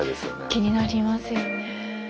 気になりますよね。